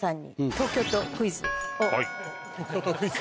東京都クイズ？